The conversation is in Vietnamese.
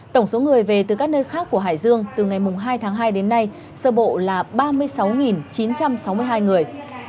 tổng số người về từ các nơi khác của hải dương từ ngày hai tháng hai đến nay sơ bộ là ba mươi sáu chín trăm sáu mươi hai người